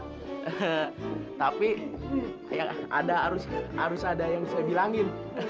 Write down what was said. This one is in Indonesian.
hehehe tapi harus ada yang bisa bilangin